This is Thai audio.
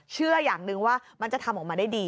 เชื่ออย่างหนึ่งว่ามันจะทำออกมาได้ดี